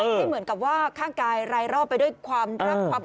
ให้เหมือนกับว่าข้างกายรายรอบไปด้วยความรักความ